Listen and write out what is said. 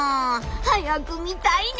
早く見たいね！